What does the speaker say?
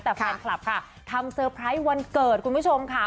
แต่แฟนคลับทำสเตอร์ไปร์วันเกิดของผู้ชมข้า